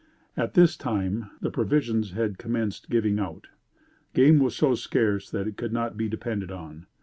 At this time the provisions had commenced giving out. Game was so scarce that it could not be depended on.